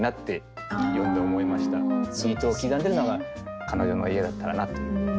ビートを刻んでいるのが彼女の家だったらなという。